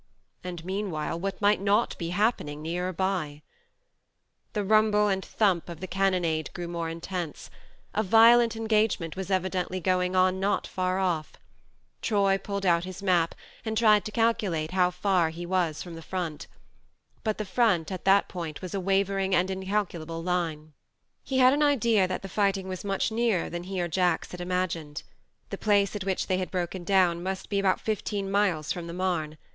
And meanwhile, what might not be happening nearer by ? The rumble and thump of the cannon ade grew more intense ; a violent en gagement was evidently going on not 112 THE MARNE far off. Troy pulled out his map and tried to calculate how far he was from the front ; but the front, at that point, was a wavering and incalcu lable line. He had an idea that the fighting was much nearer than he or Jacks had imagined. The place at which they had broken down must be about fifteen miles from the Marne.